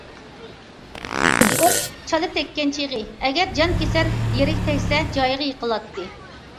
ئوق چالا تەگكەن چېغى، ئەگەر جان كېسەر يېرىگە تەگسە جايىغا يىقىلاتتى.